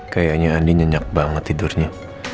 kayaknya andi nyenyak banget tidurnya